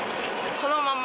このまんま？